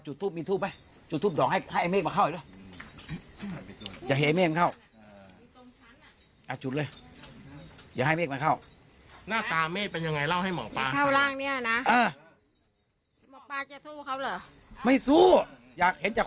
เห็นเค้าเมื่อวานมันเก่งกันหรอถ้าบอกว่าจะสู้กับหมอกนั้น